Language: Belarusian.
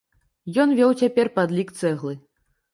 Ён вёў цяпер падлік цэглы.